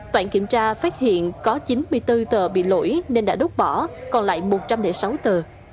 toãn kiểm tra phát hiện có chín mươi bốn tờ bị lỗi nên đã đốt bỏ còn lại một trăm linh sáu tờ